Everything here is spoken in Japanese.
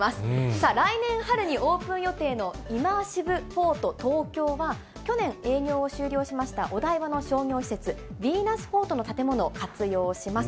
さあ、来年春にオープン予定のイマーシブフォート東京は、去年、終了しましたお台場の商業施設、ヴィーナスフォートの建物を活用します。